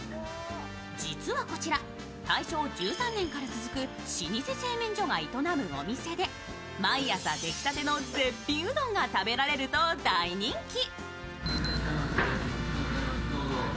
実はこちら、大正１３年から続く老舗製麺所が営むお店で、毎朝できたての絶品うどんが食べられると大人気に。